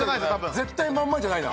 絶対まんまじゃないな。